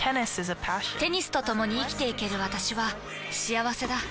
テニスとともに生きていける私は幸せだ。